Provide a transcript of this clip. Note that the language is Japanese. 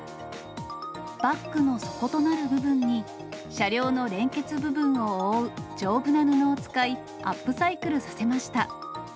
バッグの底となる部分に、車両の連結部分を覆う丈夫な布を使い、アップサイクルさせました。